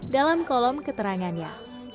dalam kolom keterangannya